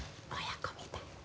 親子みたい。